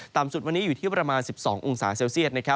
สุดวันนี้อยู่ที่ประมาณ๑๒องศาเซลเซียต